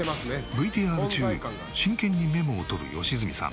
ＶＴＲ中真剣にメモを取る良純さん。